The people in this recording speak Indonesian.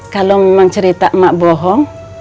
kalau memang cerita emak bohong